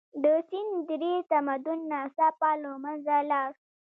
د سند درې تمدن ناڅاپه له منځه لاړ.